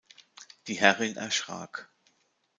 Die Herrin erschrak.